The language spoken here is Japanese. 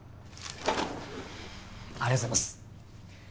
ありがとうございます。